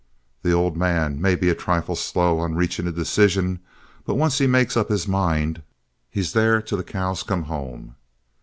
The old man may be a trifle slow on reaching a decision, but once he makes up his mind, he's there till the cows come home.